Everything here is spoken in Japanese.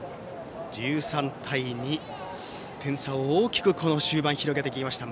１３対２、点差を大きく終盤広げてきました。